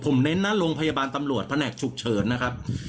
ผมเน้นหน้าโรงพยาบาลตำรวจแผนกฉุกเฉินนะครับ